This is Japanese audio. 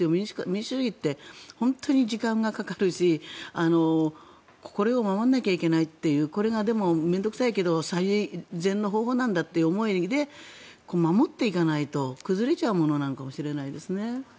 民主主義って本当に時間がかかるしこれを守んなきゃいけないというこれがでも、面倒臭いけど最善の方法なんだっていう思いで守っていかないと崩れちゃうものなのかもしれないですね。